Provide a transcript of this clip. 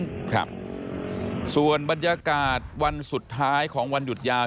ครับส่วนบรรยากาศวันสุดท้ายของวันหยุดยาว